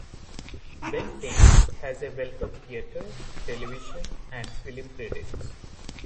Bentinck has a wealth of theatre, television and film credits.